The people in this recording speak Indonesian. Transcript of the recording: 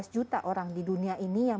lima belas juta orang di dunia ini yang